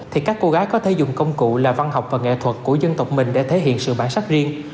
thì các cô gái có thể dùng công cụ là văn học và nghệ thuật của dân tộc mình để thể hiện sự bản sắc riêng